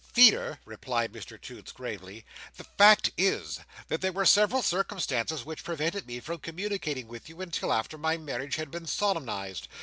"Feeder," replied Mr Toots gravely, "the fact is, that there were several circumstances which prevented me from communicating with you until after my marriage had been solemnised.